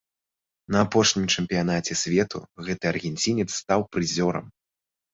На апошнім чэмпіянаце свету гэты аргенцінец стаў прызёрам.